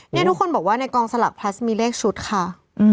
ทุกคนบอกว่าในกองสลักพลัสมีเลขชุดค่ะ